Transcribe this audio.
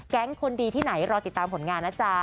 คนดีที่ไหนรอติดตามผลงานนะจ๊ะ